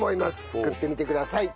作ってみてください。